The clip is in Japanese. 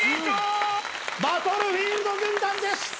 バトルフィールド軍団です！